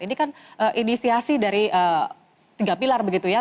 ini kan inisiasi dari tiga pilar begitu ya